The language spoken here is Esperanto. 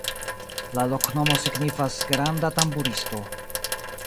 La loknomo signifas: granda-tamburisto.